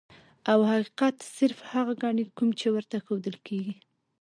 او حقيقت صرف هغه ګڼي کوم چي ورته ښودل کيږي.